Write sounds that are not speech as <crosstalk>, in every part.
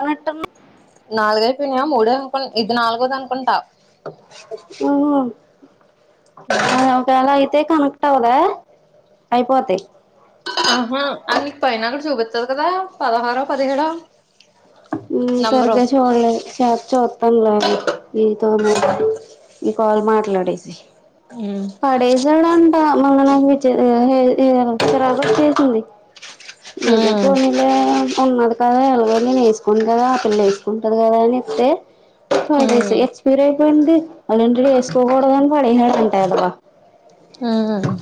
కనెక్టర్లు నాలుగైపినియా మూడే అనుకు ఇది నాలుగోది అనుకుంటా అ ఉమ్ అకాలా అయితే కను టావ్ దా అయిపోతాయి ఆ నీకు పైన కూడా చూపితది కదా పదహారో పదిహేడ సర్గ చోడలే ఈ సా చొత్తన్ బాగా ఈతో మే ఉమ్ ఈ కాల్ మాట్లాడేసి ఉమ్ పడేసడంట మంగనానికి విచ్చేది ఏ రా రాధక్క చేసింది ఇందుపోనీలే ఉవు అది కాద ఎలవే కున్ కదా ఆ పిల్ల వేసుకుంటుంది కదా అని ఇస్తే ఉమ్ సెసి ఎక్స్పీరియన్స్ ంది అండ వేసుకోకూడదుని పడేడుతుంటాదవా హమ్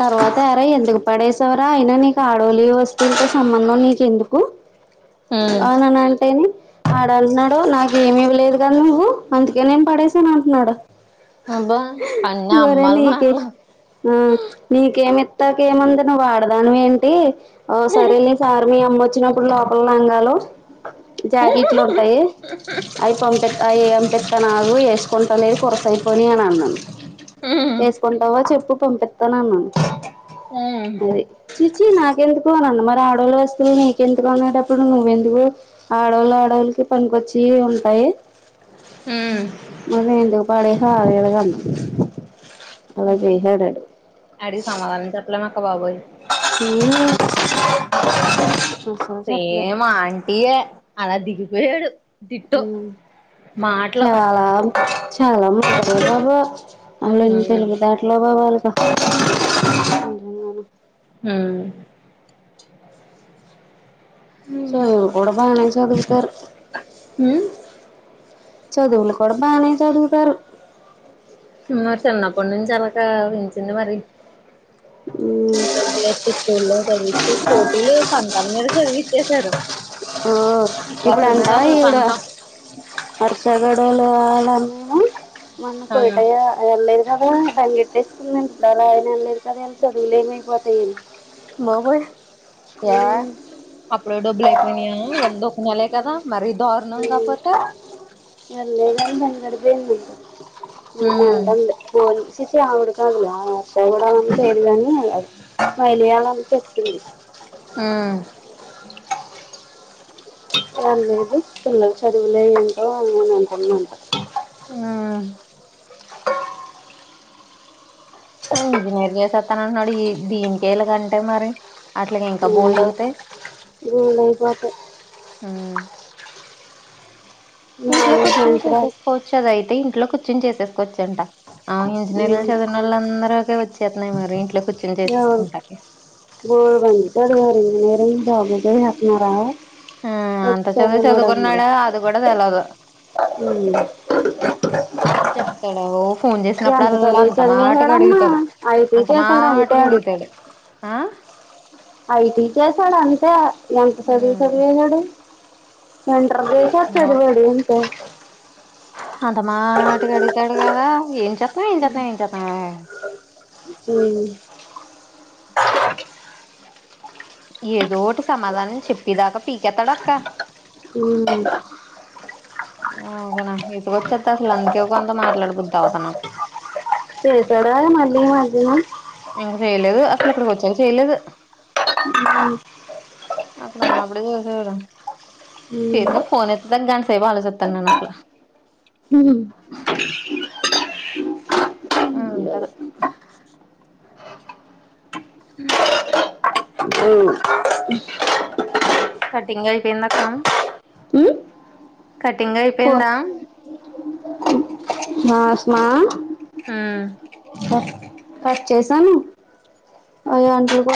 తర్వాత అరే ఎందుకు పడేసావరా అయినా నీకు ఆడోలి వస్తువులతో సంబంధం నీకు ఎందుకు ఉమ్ ఆ నన్న అంటేని ఆడాలన్నా నాకు ఏమమివ లేదు కానీ నువ్వు అందు ఇక నేను పడేసాను అంటున్నాడు అబ్బా అన్ని అమ్మలు మాటలు నీకేమిత్తాక ఏమంది నువ్వు ఆడదాను ఏంటి ఆ సరేలే సార్మి అమ్మ వచ్చినప్పుడు లోపలలాంగాలు జాకెట్లు ఉంటాయి అవి పంప అవిప తన ఆగ వేసుకకుంటల్ది కురసయిపోయిను అన్నది ఉమ్ వేసుకుంటావా చెప్పు పంపిస్తాను అన్నాను ఉమ్ అరి చీ చీ నాగేంద ఇన్న మరి ఆడోళ వస్తువులు నీకుెందుకు అండటప్పుడు నువ్వెందుకు ఆడవాళ్ళ ఆడవాళ్ళకి పనికొచ్చి ఉంటాయి ఉమ్ మళ్ళీ ఇందుకు పాడే ఆారేడు కమ్న్ అలా చేయాడాడు అడి సమాధాం నాకబబయి ఈ అసలు చెప్పలే సేమ్ ఆంటీయే అలా దిగిపోయాడు దిట్టు మాటలు చాలా చాలా బాబా అళ్ళ ఉమ్ తెలుగుదాటలో బాబ వాళ హ్మ్ చదువు కూడా కూడా బానే చదువికారు ఉమ్ చదువుల కూడ బానే చదువుటారు రి చిన్నప్పటి నుంచిరక వించింది మరి ఉమ్ డబ్బులెట్ స్కూల్లో చదివించి పోటీలు పంతని మీద చదివి ఎ సారు ఓ ఇప్పుడ ఎంటా ఒకరు ఇవడ పంతం హర్సగడలో మ మన్న ఆ కోట ఎ కదా పంగెట్టేసుకుందం ఇప్పుడు అలా ఆయన అన్నారుది కదా అలా చదువులేమయిపోతాయిని బబొయి యా అప్పుడు డబ్బుల్యిపోయినాయా వంద ఒక కొ నాల కదా మరీ దారుణం కాపోతే వెళ్ళ వెళ్ల్లి ఉమ్ అంట పో ఆవిడ కాదు పోడని లే కాని వెలియాలని చెప్తుంది ఉమ్ ప లేదు పిల్లలు చదువులే ఏంటో అ అని అంటున్నా అంటారు ఆ ఇంజనిర్ చేసెత్ తనంట్నాడు ఈ దీనికి కేలగ అంటే మరి అట్లగే ఇంకా బోల్డ్అవుతాయి. గోల్ అయిపోతాయి ఇంట్లో నాలుగు కూర్చుని సంవత్సరాలు చూసేసుకోవచ్చు దయితే ఇంట్లో కుర్ చోన్ చేసేస్కోచ్చు. ఆ ఇంజనీరింగ్ ఉమ్, చదివినోలన్దరికి వచ్చేత్తున్నాయి మరి ఇంట్లో కూర్చొని ఎవరు చేసేసుకుంటాకి. <unintelligible> చెత్తున్నారా ఆ అంత చదువే చదువుకున్నాడా అది గూడ తెల్వదు, చెప్తడా ఓ ఫోన్ ఎంత చేసినప్పుడల్లా చదివి అంత మాటుగ చదివేశాడమ్మా అడుగుతాడు ఐటీ అంత చేశాడు అంతే మాటుగా ఆడు అడుగుతాడు ఆ? ఐటీ చేశాడు అంతే ఎంత సదువు ఉమ్ సదివేశాడు సది <unintelligible> అంత చదివాడు అంతే ఎంత మాటుగ అడుగ అదిగావా ఏం చెత్ క ఏం చేత్నావ్ చేత్నావ్ ఆ హ్మ్ ఏదోట్ టి సమాధానం చెప్పేదాక పీకేత్తడక్క. ఉమ్. అవుగనా ఇసుగొచ్చద్దసలు అందుకే కొంత మాట్లాడబుద్ధవదు నాకు ఏ మంటున్నావ్? ఇంగ చెయలేదు, అసలు ఇక్కడ కొచ్చాక చెయలేదు. ఉమ్ ఎపుడు జేసాడు చేసా పోనెత్తడానికి గంట సేపు ఆలోచెతన్నానసలు. ఉమ్, ఆ అంటరు ఉమ్ కటింగ్ ఐపోయిందక్క ఉమ్. కటింగ్ ఐపోయిందా? మాస్మా ఆ హ చేసాను అయ్ వంటలు గూడా